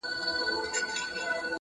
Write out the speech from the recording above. • موږه سپارلي دي د ښكلو ولېمو ته زړونه؛